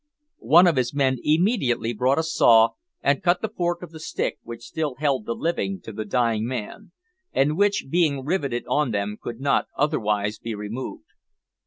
One of his men immediately brought a saw and cut the fork of the stick which still held the living to the dying man, and which, being riveted on them, could not otherwise be removed.